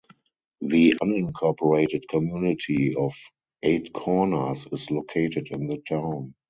The unincorporated community of Eight Corners is located in the town.